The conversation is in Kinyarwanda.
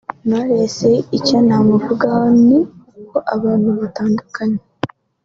Knowless icyo namuvugaho ni uko abantu batandukanye